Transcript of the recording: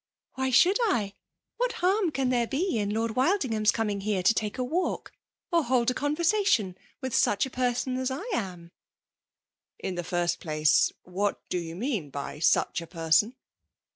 "Why should I? What harm can there be in Lord Wildiagham^s coming here to take a walk or hold a conversation with such a petsea as I am ?'*'"* In the first place, what do you mean by 'mM a person?'